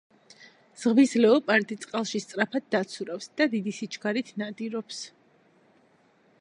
ზღვის ლეოპარდი წყალში სწრაფად დაცურავს და დიდი სიჩქარით ნადირობს.